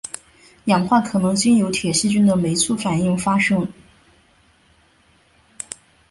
氧化可能经由铁细菌的酶促反应发生。